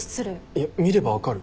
いや見れば分かる。